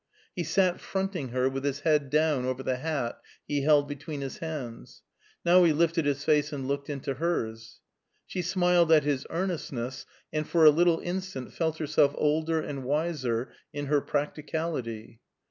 He sat fronting her, with his head down over the hat he held between his hands; now he lifted his face and looked into hers. She smiled at his earnestness, and for a little instant felt herself older and wiser in her practicality.